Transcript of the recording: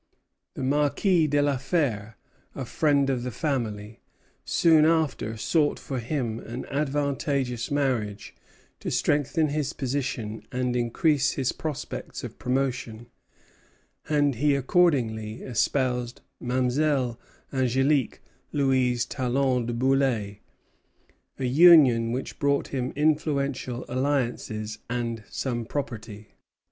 The Marquis de la Fare, a friend of the family, soon after sought for him an advantageous marriage to strengthen his position and increase his prospects of promotion; and he accordingly espoused Mademoiselle Angélique Louise Talon du Boulay, a union which brought him influential alliances and some property.